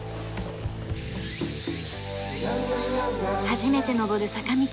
初めて上る坂道。